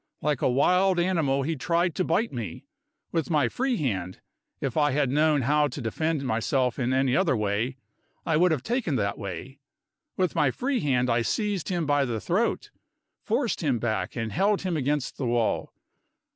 Like a wild animal he tried to bite me. With my free hand if I had known how to defend myself in any other way, I would have taken that way with my free hand I seized him by the throat; forced him back; and held him against the wall.